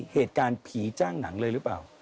เหตุการณ์ผีจ้างหนังเลยหรือเปล่า